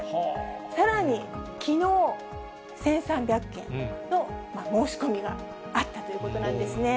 さらに、きのう１３００件の申し込みがあったということなんですね。